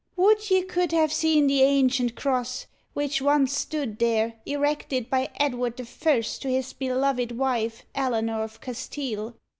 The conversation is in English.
"Would you could have seen the ancient cross, which once stood there, erected by Edward the First to his beloved wife, 'Eleanor of Castile'!"